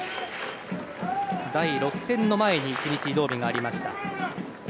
第６戦の前に１日、移動日がありました。